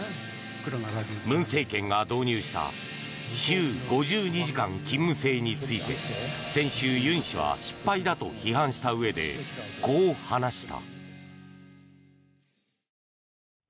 文政権が導入した週５２時間勤務制について先週、ユン氏は失敗だと批判したうえでこう話した。